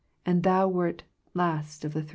And thou wert last of th« thrM."